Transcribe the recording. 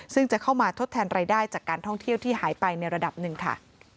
ซึ่งจะเข้ามาทดแทนรายได้จากการท่องเที่ยวที่หายไปในระดับหนึ่งค่ะ